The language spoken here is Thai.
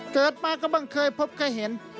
เกิดมาก็บ้างเคยพบเคยเห็น